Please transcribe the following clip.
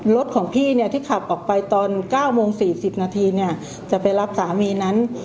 รถของพี่ที่ขับออกไปตอน๙โมง๔๐นาทีจะไปรับสามีนั้น